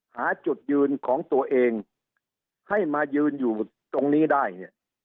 หาจุดยืนของตัวเองให้มายืนอยู่ตรงนี้ได้เนี่ย